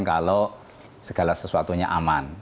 kalau segala sesuatunya aman